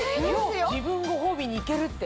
自分ご褒美にいけるって。